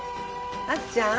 あっちゃん？